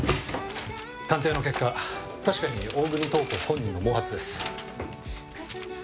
鑑定の結果確かに大國塔子本人の毛髪です。